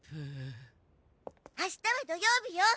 明日は土曜日よ。